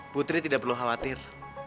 putri tidak perlu khawatir